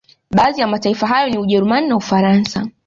Baadhi ya mataifa hayo ni Ujerumani na Ufaransa